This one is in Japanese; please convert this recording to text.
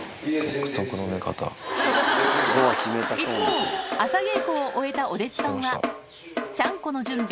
一方、朝稽古を終えたお弟子さんはちゃんこの準備。